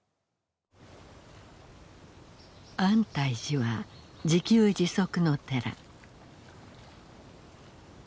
安泰寺は自給自足の寺。